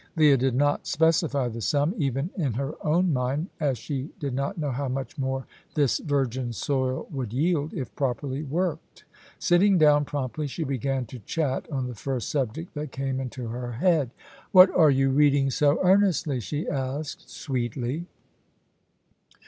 Leah did not specify the sum, even in her own mind, as she did not know how much more this virgin soil would yield, if properly worked. Sitting down promptly, she began to chat on the first subject that came into her head. "What are you reading so earnestly?" she asked sweetly.